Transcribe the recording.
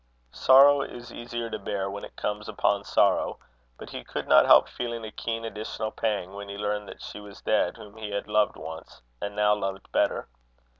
Sorrow is easier to bear when it comes upon sorrow; but he could not help feeling a keen additional pang, when he learned that she was dead whom he had loved once, and now loved better.